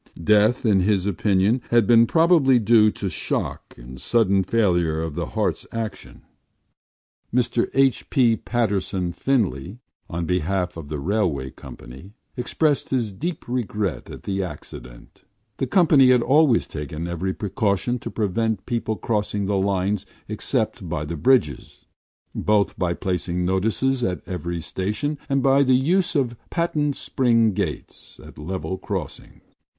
Death, in his opinion, had been probably due to shock and sudden failure of the heart’s action. Mr H. B. Patterson Finlay, on behalf of the railway company, expressed his deep regret at the accident. The company had always taken every precaution to prevent people crossing the lines except by the bridges, both by placing notices in every station and by the use of patent spring gates at level crossings.